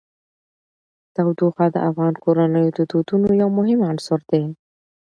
تودوخه د افغان کورنیو د دودونو یو مهم عنصر دی.